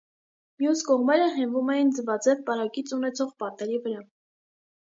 Մյուս կողմերը հենվում էին ձվաձև պարագիծ ունեցող պատերի վրա։